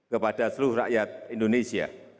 kepada seluruh rakyat indonesia